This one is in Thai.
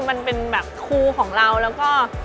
มันเป็นแบบครูของเราแล้วก็